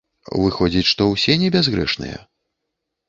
Выходзіць, што ўсе небязгрэшныя?